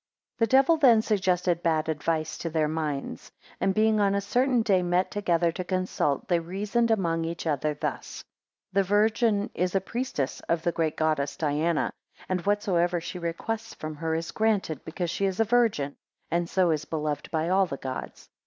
THE devil then suggested bad advice to their minds; and being on a certain day met together to consult, they reasoned among each other thus: The virgin is a priestess of the great goddess Diana, and whatsoever she requests from her, is granted, because she is a virgin, and so is beloved by all the gods.